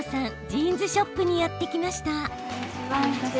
ジーンズショップにやって来ました。